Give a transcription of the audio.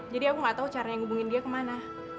jadi aku gak tau caranya ngubungin dia kemana